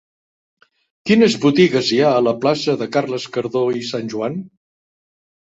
Quines botigues hi ha a la plaça de Carles Cardó i Sanjoan?